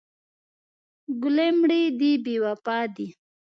ګلې مړې دې بې وفا دي.